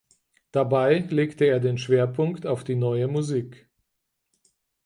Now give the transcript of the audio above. Dabei legte er den Schwerpunkt auf die Neue Musik.